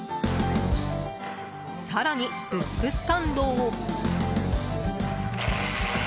更に、ブックスタンドを。